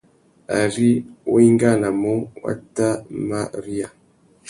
Ari wá ingānamú, wá tà mà riya.